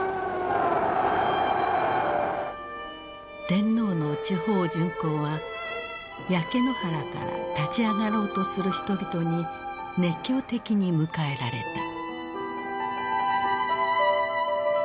天皇の地方巡幸は焼け野原から立ち上がろうとする人々に熱狂的に迎えられた。